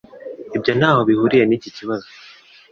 Ibyo ntaho bihuriye niki kibazo